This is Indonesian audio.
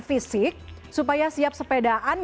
fisik supaya siap sepedaan